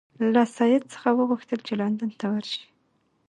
له سید څخه وغوښتل چې لندن ته ورشي.